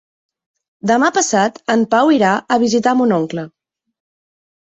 Demà passat en Pau irà a visitar mon oncle.